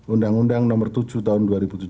undang undang nomor tujuh tahun dua ribu tujuh belas